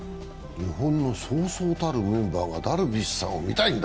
日本のそうそうたるメンバーがダルビッシュさんを見たいんだ。